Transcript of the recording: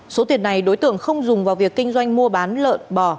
số tiền này đối tượng không dùng vào việc kinh doanh mua bán lợn